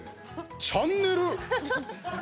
チャンネル？